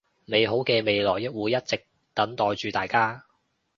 美好嘅未來會一直等待住大家